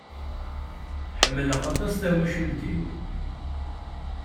Ḥemmeleq aṭas tawacult-iw.